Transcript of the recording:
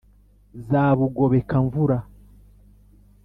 za bugobeka-mvura,